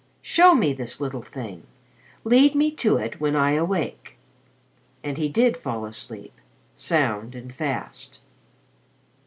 Show me this little thing. Lead me to it when I awake." And he did fall asleep, sound and fast.